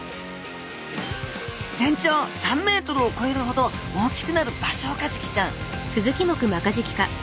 全長３ｍをこえるほど大きくなるバショウカジキちゃん